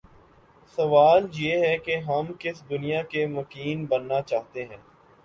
سوال یہ ہے کہ ہم کس دنیا کے مکین بننا چاہتے ہیں؟